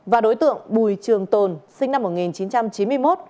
và đối tượng bùi trường tồn sinh năm một nghìn chín trăm chín mươi một